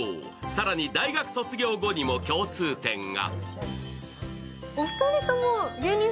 更に大学卒業後にも共通点が。